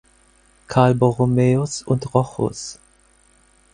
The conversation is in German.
Karl Borromäus und Rochus.